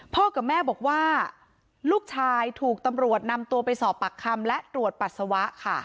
กับแม่บอกว่าลูกชายถูกตำรวจนำตัวไปสอบปากคำและตรวจปัสสาวะค่ะ